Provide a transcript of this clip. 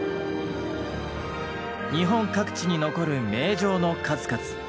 日本各地に残る名城の数々。